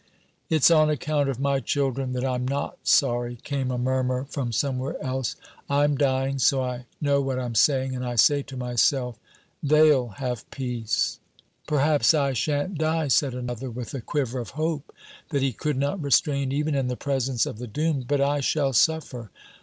"It's on account of my children that I'm not sorry," came a murmur from somewhere else. "I'm dying, so I know what I'm saying, and I say to myself, 'They'll have peace.'" "Perhaps I shan't die," said another, with a quiver of hope that he could not restrain even in the presence of the doomed, "but I shall suffer.